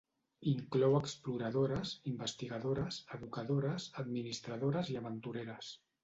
Inclou exploradores, investigadores, educadores, administradores i aventureres.